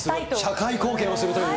社会貢献をするという。